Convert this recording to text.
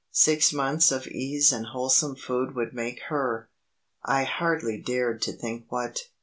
Six months of ease and wholesome food would make her I hardly dared to think what.